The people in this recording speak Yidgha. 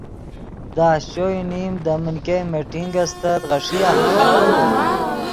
دے اشچو یو نیم دے من ګئے میٹنگ استت غیݰیآ۔